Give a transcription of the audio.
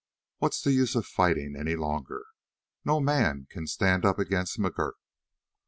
What's the use of fighting any longer? No man can stand up against McGurk!"